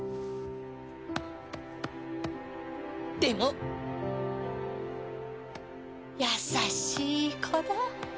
でも優しい子だ。